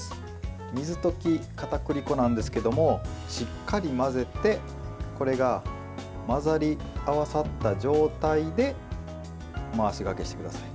水溶きかたくり粉なんですけどもしっかり混ぜてこれが混ざり合わさった状態で回しがけしてください。